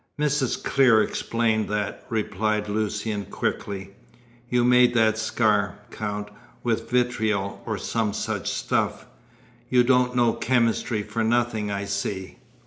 "Mrs. Clear explained that," replied Lucian quickly. "You made that scar, Count, with vitriol, or some such stuff. You don't know chemistry for nothing, I see."